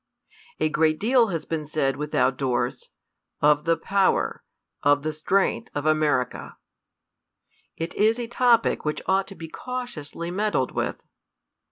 A great deal has been said without doors, of the power, of the strength of America. It is a topic which ought to be cautiously meddled with.